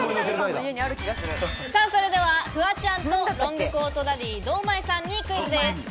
それではフワちゃんとロングコートダディ・堂前さんにクイズです。